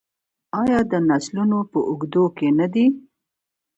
آیا د نسلونو په اوږدو کې نه دی؟